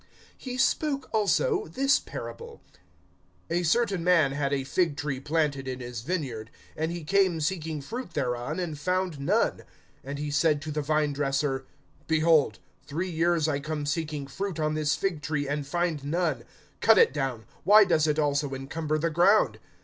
(6)He spoke also this parable: A certain man had a fig tree planted in his vineyard; and he came seeking fruit thereon, and found none. (7)And he said to the vine dresser: Behold, three years I come seeking fruit on this fig tree, and find none. Cut it down; why does it also encumber[13:7] the ground?